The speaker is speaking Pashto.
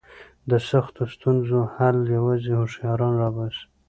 د سختو ستونزو حل یوازې هوښیاران را باسي.